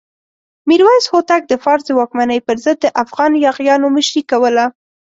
میرویس هوتک د فارس د واکمنۍ پر ضد د افغان یاغیانو مشري کوله.